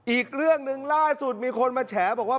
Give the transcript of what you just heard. อีกเรื่องหนึ่งล่าสุดมีคนมาแฉบอกว่า